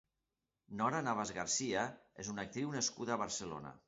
Nora Navas Garcia és una actriu nascuda a Barcelona.